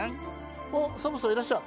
あサボさんいらっしゃい。